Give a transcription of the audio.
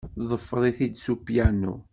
Teḍfer-it-d s upyanu.